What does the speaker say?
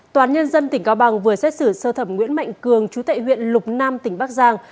tòa án nhân dân tỉnh cao bằng vừa xét xử sơ thẩm nguyễn mạnh cường chú tệ huyện lục nam tỉnh bắc giang